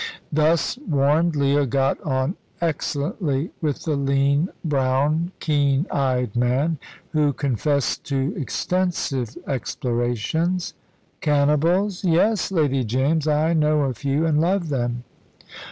Thus warned, Leah got on excellently with the lean, brown, keen eyed man, who confessed to extensive explorations. "Cannibals? yes, Lady James, I know a few and love them."